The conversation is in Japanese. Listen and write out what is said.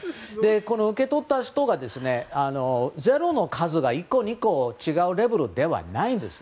受け取った人がゼロの数が１個２個違うレベルではないんです。